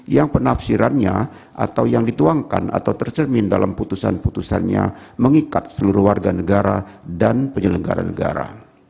yang penafsirannya atau yang dituangkan atau tercermin dalam putusan putusannya mengikat seluruh warga negara dan penyelenggara negara